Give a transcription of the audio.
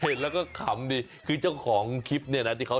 เห็นแล้วก็ขัมเนี่ยเจ้าของคลิปนี้นะก็จะออกมา